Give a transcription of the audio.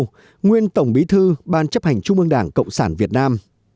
đồng chí nguyễn phú trọng tổng bí thư ban chấp hành trung mương đảng cộng sản việt nam